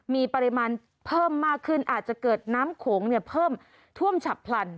มีปริมาณเพิ่มมากขึ้นอาจจะเกิดน้ำโขงเพิ่มท่วมฉับพลัน